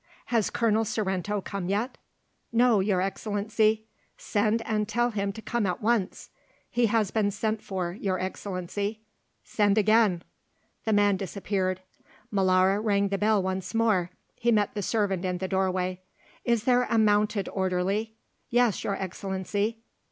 "Has Colonel Sorrento come yet?" "No, Your Excellency." "Send and tell him to come at once." "He has been sent for, Your Excellency." "Send again." The man disappeared. Molara rang the bell once more. He met the servant in the doorway. "Is there a mounted orderly?" "Yes, Your Excellency."